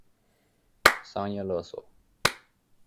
商业勒索